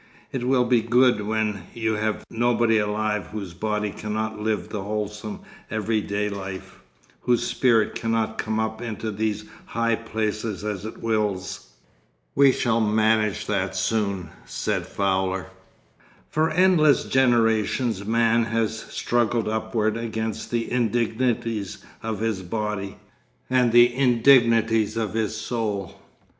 It will be good when you have nobody alive whose body cannot live the wholesome everyday life, whose spirit cannot come up into these high places as it wills.' 'We shall manage that soon,' said Fowler. 'For endless generations man has struggled upward against the indignities of his body—and the indignities of his soul.